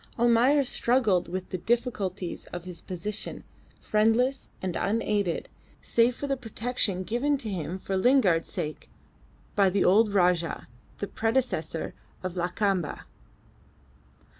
Almayer struggled with the difficulties of his position, friendless and unaided, save for the protection given to him for Lingard's sake by the old Rajah, the predecessor of Lakamba.